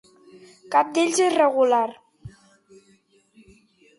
Cap d'ells és regular.